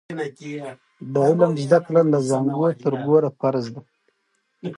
د علم زده کړه له زانګو تر ګوره فرض دی.